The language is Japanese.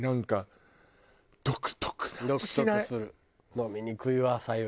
飲みにくいわ白湯。